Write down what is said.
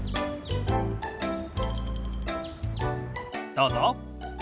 どうぞ。